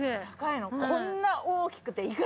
こんな大きくて。